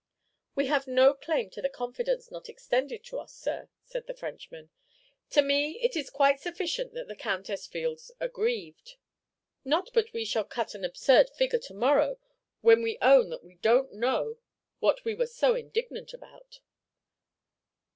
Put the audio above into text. "We have no claim to any confidence not extended to us, sir," said the Frenchman. "To me it is quite sufficient that the Countess feels aggrieved." "Not but we shall cut an absurd figure to morrow, when we own that we don't know what we were so indignant about."